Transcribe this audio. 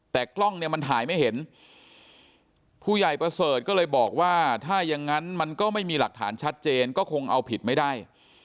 แต่กล้องเนี่ยมันถ่ายไม่เห็นผู้ใหญ่ประเสริฐก็เลยบอกว่าถ้าอย่างนั้นมันก็ไม่มีหลักฐานชัดเจนก็คงเอาผิดไม่ได้